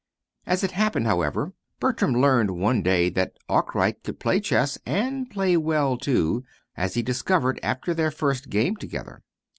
As it happened, however, Bertram learned one day that Arkwright could play chess and play well, too, as he discovered after their first game together.